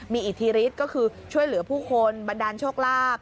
มีอิทธิฤทธิ์ก็คือช่วยเหลือผู้คนบันดาลโชคลาภ